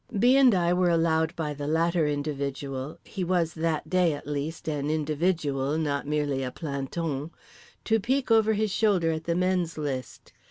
B. and I were allowed by the latter individual—he was that day, at least, an individual not merely a planton—to peek over his shoulder at the men's list.